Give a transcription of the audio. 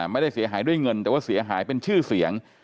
ไม่ได้เสียหายด้วยเงินแต่ว่าเสียหายเป็นชื่อเสียง